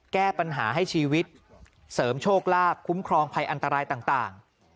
แก้ปัญหาให้ชีวิตเสริมโชคลาภคุ้มครองภัยอันตรายต่าง